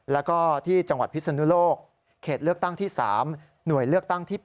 แล้วก็ที่จังหวัดพิศนุโลกเขตเลือกตั้งที่๓หน่วยเลือกตั้งที่๘